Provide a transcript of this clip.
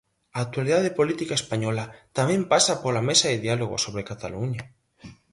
A actualidade política española tamén pasa pola mesa de diálogo sobre Cataluña.